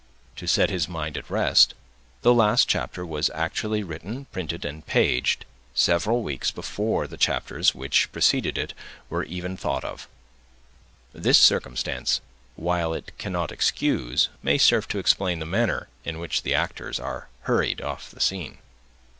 To set his mind at rest, the last chapter was actually written, printed, and paged, several weeks before the chapters which precede it were even thought of. This circumstance, while it cannot excuse, may serve to explain the manner in which the actors are hurried off the scene.